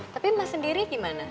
tapi mas sendiri gimana